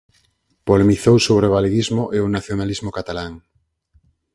Polemizou sobre o galeguismo e o nacionalismo catalán.